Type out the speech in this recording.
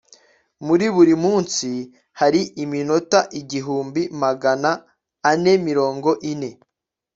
muri buri munsi, hari iminota igihumbi magana ane mirongo ine